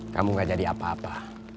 kamu gak jadi apa apa